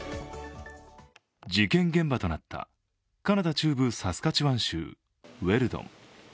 事件現場となったカナダ中部のサスカチワン州ウェルドン。